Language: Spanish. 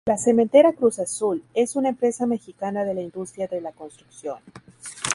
La Cementera Cruz Azul, es una empresa mexicana de la industria de la construcción.